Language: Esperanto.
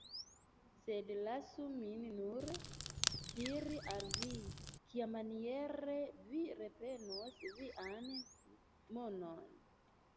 Sed lasu min nur diri al vi, kiamaniere vi reprenos vian monon.